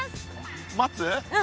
待つ？